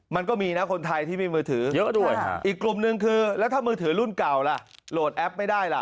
มันก็มีนะคนไทยที่มีมือถือเยอะด้วยอีกกลุ่มหนึ่งคือแล้วถ้ามือถือรุ่นเก่าล่ะโหลดแอปไม่ได้ล่ะ